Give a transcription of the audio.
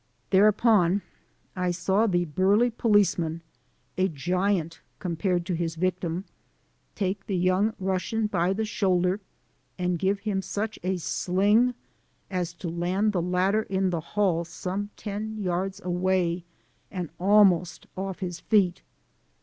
Thereupon I saw the burly policeman, a giant compared to his victim, take the young Russian by the shoulder and give him such a sling as to land the latter in the hall some ten yards away, and almost off his feet.